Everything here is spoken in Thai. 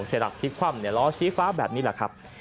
เสียหลักพลิกคว่ำล้อชี้ฟ้าแบบนี้แหละครับ